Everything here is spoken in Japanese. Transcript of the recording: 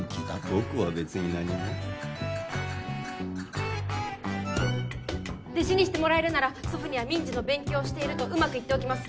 僕は別に何も弟子にしてもらえるなら祖父には民事の勉強をしているとうまく言っておきます